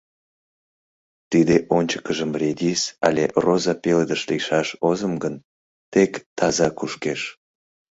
Тиде ончыкыжым редис але роза пеледыш лийшаш озым гын, тек таза кушкеш.